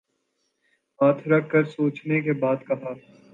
ہاتھ رکھ کر سوچنے کے بعد کہا۔